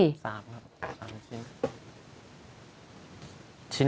สามครับสามชิ้น